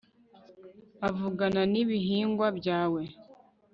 uvugana nibihingwa byawe